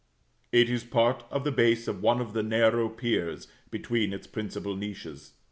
It is part of the base of one of the narrow piers between its principal niches.